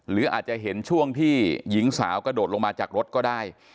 หรืออาจจะเห็นช่วงที่หญิงสาวกระโดดลงมาจากรถก็ได้